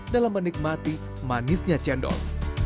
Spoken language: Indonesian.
dalam menikmati manisnya cendol